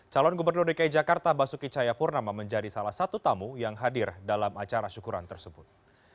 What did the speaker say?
calon gubernur dki jakarta basuki cayapurnama menjadi salah satu tamu yang hadir dalam acara syukuran tersebut